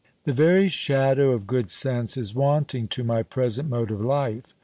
The very shadow of good sense is wanting to my present mode of life.